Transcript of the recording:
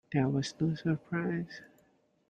There was no surprise.